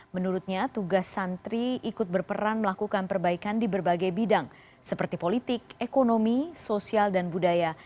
menurutnya tugas santri ikut berperan melakukan perbaikan di berbagai bidang seperti politik ekonomi sosial dan budaya